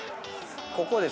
ここです。